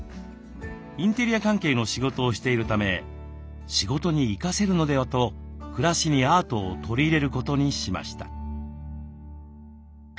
インテリア関係の仕事をしているため仕事に生かせるのではと暮らしにアートを取り入れることにしました。